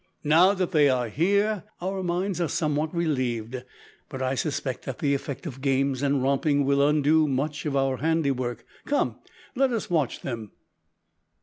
Now that they are here, our minds are somewhat relieved, but I suspect that the effect of games and romping will undo much of our handiwork. Come, let us watch them."